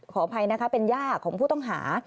ขออภัยนะคะเป็นย่าของผู้ต้องหา